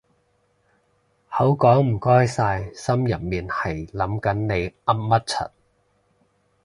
口講唔該晒心入面係諗緊你噏乜柒